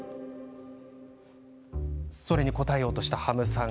それに応えようとしたハムさん。